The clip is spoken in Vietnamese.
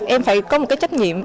em phải có một cái trách nhiệm